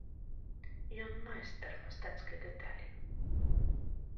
Ён майстар мастацкай дэталі.